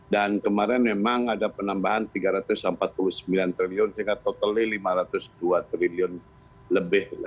dan kemarin memang ada penambahan rp tiga ratus empat puluh sembilan triliun sehingga totalnya rp lima ratus dua triliun lebih